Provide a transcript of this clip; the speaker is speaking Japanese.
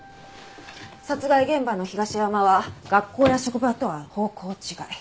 殺害現場の東山は学校や職場とは方向違い。